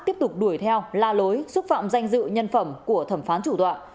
tiếp tục đuổi theo la lối xúc phạm danh dự nhân phẩm của thẩm phán chủ tọa